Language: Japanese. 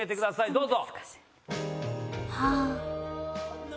どうぞ。